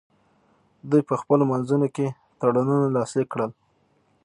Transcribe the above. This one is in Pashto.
دوی په خپلو منځونو کې تړونونه لاسلیک کړل